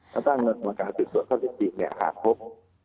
ถ้าตั้งลำกาศสิทธิ์ตรวจข้อเท็จจริงเนี่ยหากพบ